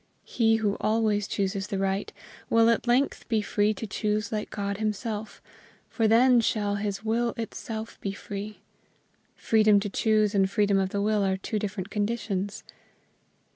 He who always chooses the right, will at length be free to choose like God himself, for then shall his will itself be free. Freedom to choose and freedom of the will are two different conditions.